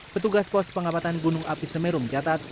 petugas pos pengamatan gunung api semeru mencatat